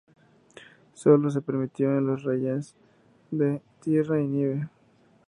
Solo se permitió en los rallyes de tierra y nieve.